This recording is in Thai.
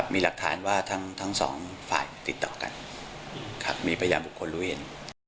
มีหลักฐานว่าทั้งสองฝ่ายติดต่อกันครับมีพยานบุคคลรู้เห็น